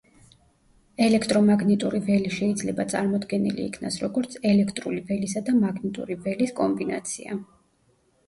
ელექტრომაგნიტური ველი შეიძლება წარმოდგენილი იქნას როგორც ელექტრული ველისა და მაგნიტური ველის კომბინაცია.